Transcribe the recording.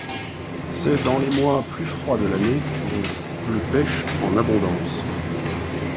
C'est dans les mois plus froids de l'année qu'on le pêche en abondance.